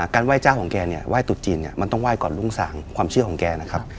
ไหว้เจ้าของแกเนี่ยไหว้ตุ๊จีนเนี่ยมันต้องไห้ก่อนรุ่งสางความเชื่อของแกนะครับ